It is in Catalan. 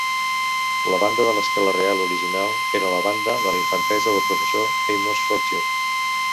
La Banda de l'Escala Reial original era la banda de la infantesa del professor Amos Fortune.